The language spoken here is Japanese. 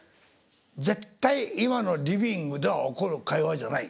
絶対今のリビングでは起こる会話じゃない。